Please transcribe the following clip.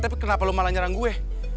tapi kenapa lo malah nyerang gue